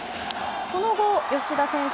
その後、吉田選手